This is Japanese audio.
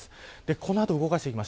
この後、動かしていきます。